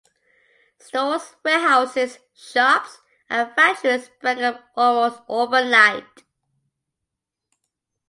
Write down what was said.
Stores, warehouses, shops, and factories sprang up almost overnight.